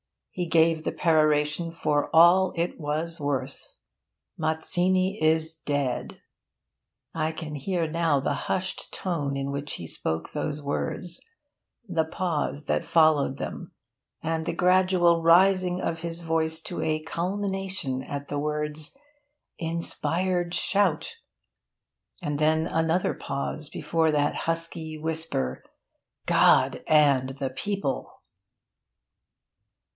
He gave the peroration for all it was worth. Mazzini is dead. I can hear now the hushed tone in which he spoke those words; the pause that followed them; and the gradual rising of his voice to a culmination at the words 'inspired shout'; and then another pause before that husky whisper 'GOD AND THE PEOPLE.'